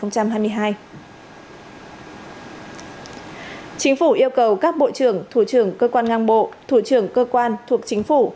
chính phủ yêu cầu các bộ trưởng thủ trưởng cơ quan ngang bộ thủ trưởng cơ quan thuộc chính phủ